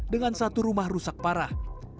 dengan satu rumah rusak parah